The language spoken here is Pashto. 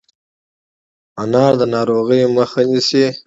انار د ناروغیو مخه نیسي.